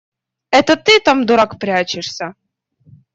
Это ты там, дурак, прячешься?